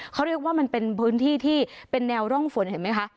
เขาเรียกว่ามันเป็นพื้นที่ที่เป็นแนวร่องฝนเห็นไหมคะ